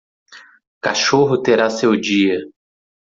Cachorro terá seu dia